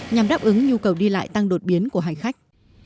nhằm đáp ứng nhu cầu đi lại tăng đột biến của hành khách